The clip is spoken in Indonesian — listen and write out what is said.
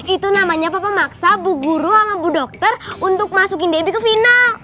itu namanya pemaksa bu guru sama bu dokter untuk masukin debbie ke final